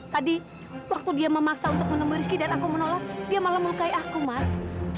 tadi waktu dia memaksa untuk menemui rizky dan aku menolak dia malah melukai aku mas